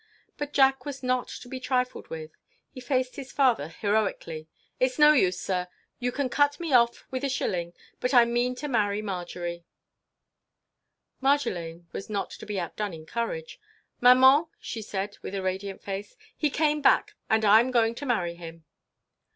But Jack was not to be trifled with. He faced his father heroically. "It's no use, sir! You can cut me off with a shilling, but I mean to marry Marjory!" Marjolaine was not to be outdone in courage. "Maman!" she said, with a radiant face, "he came back; and I 'm going to marry him."